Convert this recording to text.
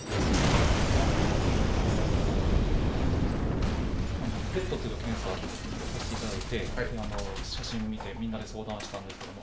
やっぱりあのＰＥＴという検査をさせていただいて写真見てみんなで相談したんですけど。